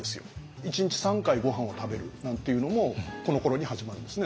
１日３回ごはんを食べるなんていうのもこのころに始まるんですね。